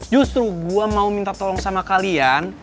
justru gue mau minta tolong sama kalian